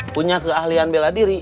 punya keahlian bela diri